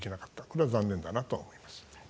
これは残念だなとは思います。